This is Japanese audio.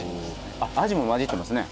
あっアジも交じってますね。